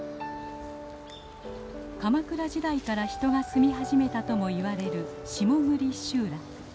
鎌倉時代から人が住み始めたともいわれる下栗集落。